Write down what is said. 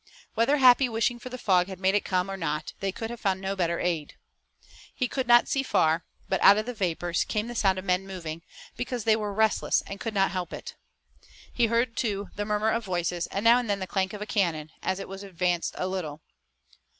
Whether Happy wishing for the fog had made it come or not they could have found no better aid. He could not see far, but out of the vapors came the sound of men moving, because they were restless and could not help it. He heard too the murmur of voices, and now and then the clank of a cannon, as it was advanced a little.